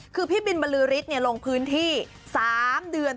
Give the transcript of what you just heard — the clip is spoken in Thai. คือพี่บินบรือฤทธิ์ลงพื้นที่๓เดือน